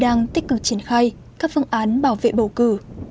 đã và đang tích cực triển khai các phương án bảo vệ bầu cử